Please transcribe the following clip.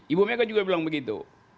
ibu mega juga bilang begitu